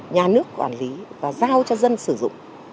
nhà nước quản lý và giao cho dân sử dụng